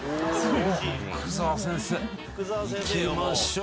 福沢先生いきましょう。